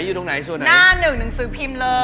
หน้าหนึ่งหนังสือพิมพ์เลย